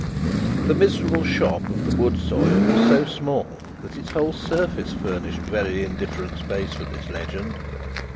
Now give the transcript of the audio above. The miserable shop of the wood sawyer was so small, that its whole surface furnished very indifferent space for this legend.